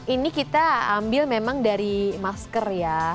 ini kita ambil memang dari masker ya